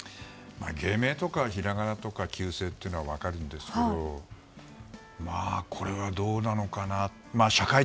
芸名とか、ひらがなとか旧姓というのは分かるんですけどこれはどうなのかな。